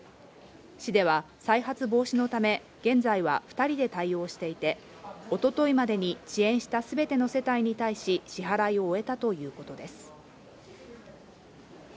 市では、再発防止のため、現在は２人で対応していて、おとといまでに遅延したすべての世帯に対し支払いを終えたということです。